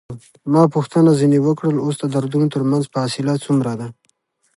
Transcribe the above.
ما پوښتنه ځنې وکړل: اوس د دردونو ترمنځ فاصله څومره ده؟